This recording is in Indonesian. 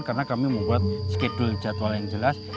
karena kami membuat skedul jadwal yang jelas